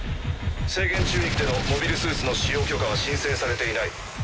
制限宙域でのモビルスーツの使用許可は申請されていない。